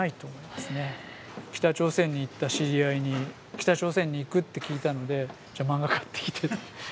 北朝鮮に行った知り合いに北朝鮮に行くって聞いたので「じゃあマンガ買ってきて」。